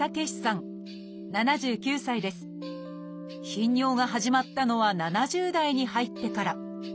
頻尿が始まったのは７０代に入ってから。